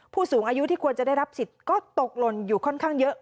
ผู้สูงอายุที่ควรจะได้รับสิทธิ์ก็ตกหล่นอยู่ค่อนข้างเยอะ